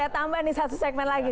tambah nih satu segmen lagi